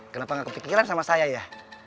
kenapa gak kepikiran sama saya ya